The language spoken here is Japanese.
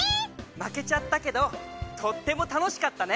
負けちゃったけどとっても楽しかったね。